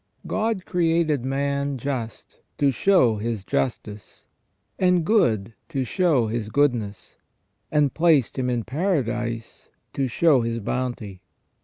* God created man just to show His justice, and good to show His goodness, and placed him in paradise to show His bounty.